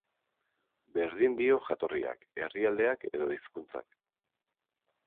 Berdin dio jatorriak, herrialdeak edo hizkunztak.